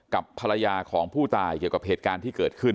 กับภรรยาของผู้ตายเกี่ยวกับเหตุการณ์ที่เกิดขึ้น